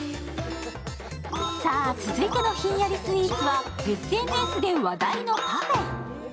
さあ、続いてのひんやりスイーツはＳＮＳで話題のパフェ。